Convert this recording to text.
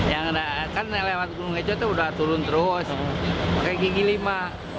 yang kan lewat gunung itu udah turun terus pakai gigi lima